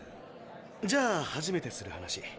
じゃあ初めてする話。